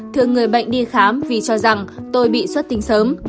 thường người bệnh đi khám vì cho rằng tôi bị xuất tinh sớm